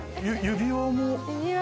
指輪も。